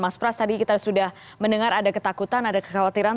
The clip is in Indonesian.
mas pras tadi kita sudah mendengar ada ketakutan ada kekhawatiran